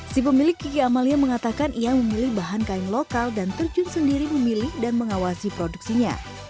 si pemilik kiki amalia mengatakan ia memilih bahan kain lokal dan terjun sendiri memilih dan mengawasi produksinya